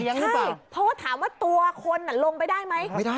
ใช่เพราะว่าถามว่าตัวคนอ่ะลงไปได้ไหมไม่ได้